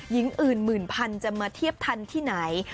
หญิงอื่นหมื่นพันจะมาเทียบทันที่ไหน